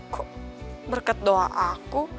kok berkat doa aku